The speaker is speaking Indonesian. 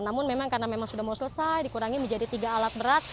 namun memang karena memang sudah mau selesai dikurangi menjadi tiga alat berat